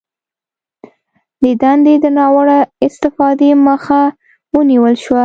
د دندې د ناوړه استفادې مخه ونیول شوه